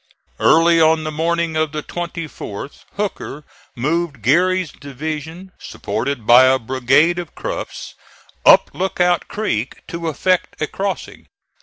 Early on the morning of the 24th Hooker moved Geary's division, supported by a brigade of Cruft's, up Lookout Creek, to effect a crossing.